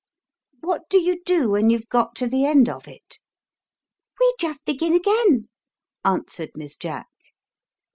"What do you do when you've got to the end of it ?"" We just begin again/' answered Miss Jack.